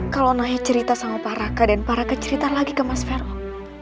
kalau naya cerita sama paraka dan paraka cerita lagi ke mas verong